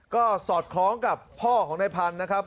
ก็สอดคล้องกับพ่อของนายพันธุ์นะครับ